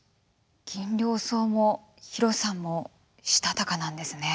ギンリョウソウもヒロさんもしたたかなんですね。